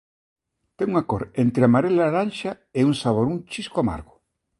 Ten unha cor entre amarela e laranxa e un sabor un chisco amargo.